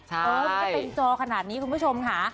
มันจะเต็มจอขนาดนี้คุณผู้ชมค่ะ